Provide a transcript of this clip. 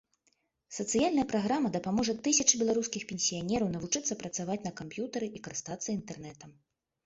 Сацыяльная праграма дапаможа тысячы беларускіх пенсіянераў навучыцца працаваць на камп'ютары і карыстацца інтэрнэтам.